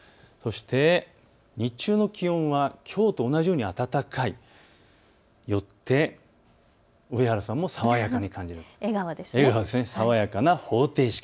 そして日中の気温はきょうと同じように暖かい、よって、上原さんも爽やかな笑顔。